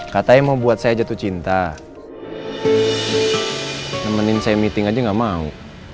katanya mau buat saya jatuh cinta nemenin saya meeting aja gak mau